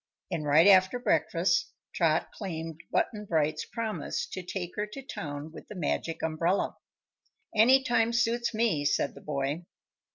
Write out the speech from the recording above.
And right after breakfast Trot claimed Button Bright's promise to take her to town with the Magic Umbrella. "Any time suits me," said the boy.